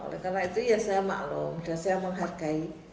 oleh karena itu ya saya maklum dan saya menghargai